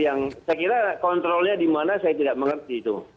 yang saya kira kontrolnya di mana saya tidak mengerti itu